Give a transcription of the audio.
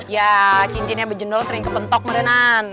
ya cincinnya benjol sering kepentok mada nan